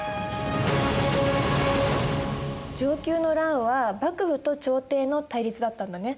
承久の乱は幕府と朝廷の対立だったんだね。